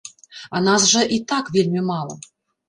А нас жа і так вельмі мала!